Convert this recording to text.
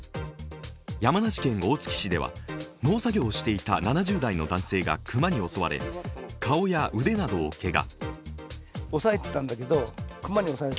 山梨県大月市では、農作業をしていた７０代の男性が熊に襲われ顔や腕などをけが。